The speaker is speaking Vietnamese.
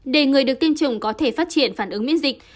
để người được tiêm chủng có thể phát triển phản ứng miễn dịch